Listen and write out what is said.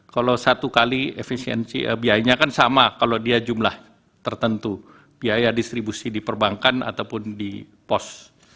kalau satu kali efisiensi biayanya kan sama kalau dia jumlah tertentu biaya distribusi di perbankan ataupun di pos